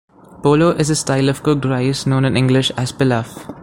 Polo is a style of cooked rice, known in English as pilaf.